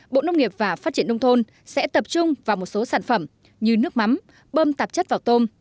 bộ nông nghiệp và phát triển nông thôn sẽ tập trung vào một số sản phẩm như nước mắm bơm tạp chất vào tôm